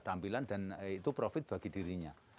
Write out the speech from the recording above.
tampilan dan itu profit bagi dirinya